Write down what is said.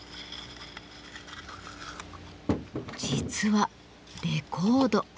実はレコード。